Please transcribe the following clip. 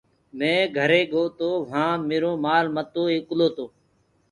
مينٚ گھري گو تو وهآنٚ ميرو مآل متو ايڪلو تو۔